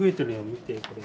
見てこれ。